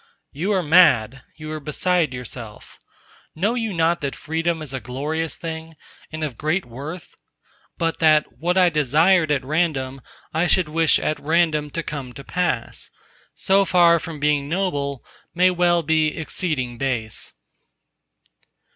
—You are mad, you are beside yourself. Know you not that Freedom is a glorious thing and of great worth? But that what I desired at random I should wish at random to come to pass, so far from being noble, may well be exceeding base.